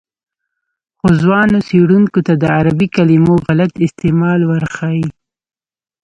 خو ځوانو څېړونکو ته د عربي کلمو غلط استعمال ورښيي.